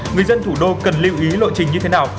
người dân thủ đô cần lưu ý lộ trình như thế nào